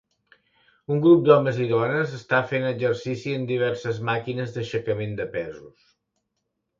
Un grup d'homes i dones està fent exercici en diverses màquines d'aixecament de pesos.